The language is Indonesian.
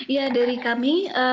iya dari kami